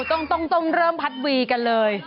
ต้องเริ่มพัดวีกันเลย